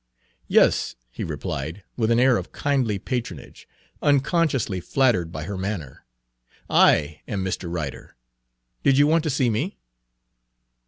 "Yes," he replied, with an air of kindly patronage, unconsciously flattered by her manner, "I am Mr. Ryder. Did you want to see me?"